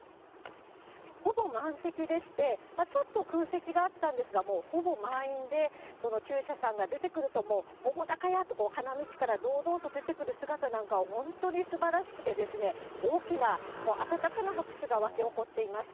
ほぼ満席でして、ちょっと空席があったんですが、もうほぼ満員で、中車さんが出てくると、もう澤瀉屋と花道から堂々と出てくる姿なんかは、本当にすばらしくて、大きな温かな拍手が沸き起こっていました。